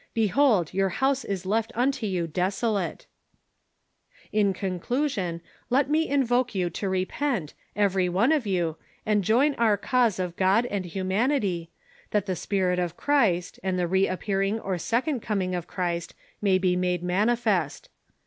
Behold, your house is left unto you desolate I " 360 THE SOCIAL WAR OF 1900; OR, In conclusion, let me invoke you to repent, every one of you, iind join our cause of God and humanity, that tlie Spirit of Christ, and the re appearing or second coming of Clirist, may be made manifest.